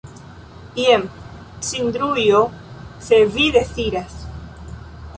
Jen cindrujo, se vi deziras.